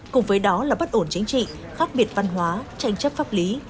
cùng với đó là bất ổn chính trị khác biệt văn hóa tranh chấp pháp lý